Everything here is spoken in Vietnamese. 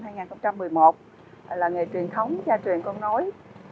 làng nghề truyền thống gia truyền con nối